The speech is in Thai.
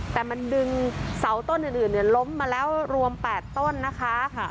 แต่มันดึงเสาต้นอื่นอื่นล้มมาแล้วรวมแปดต้นนะคะค่ะ